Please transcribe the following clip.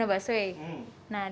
karena aku juga pengguna busway